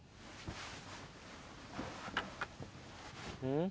うん？